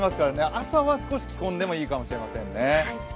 朝は少し着込んでもいいかもしれませんね。